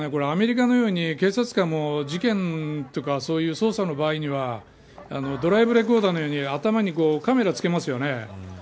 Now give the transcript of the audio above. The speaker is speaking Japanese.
アメリカのように警察官も事件とかそういう捜査の場合にはドライブレコーダーのように頭にカメラを着けますよね。